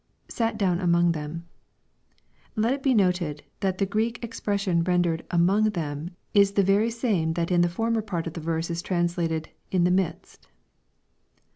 [Sat down among them.'] Let it be noted, that the Greek ex pression rendered " among" them, is the very same that in the former part of the verse is translated, " in the midst."